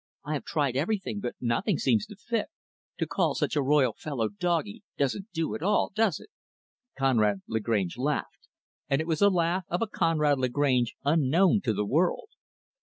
I have tried everything, but nothing seems to fit. To call such a royal fellow, 'doggie', doesn't do at all, does it?" Conrad Lagrange laughed and it was the laugh of a Conrad Lagrange unknown to the world.